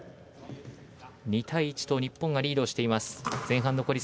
２対１と日本がリードしています。